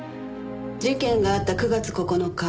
事件があった９月９日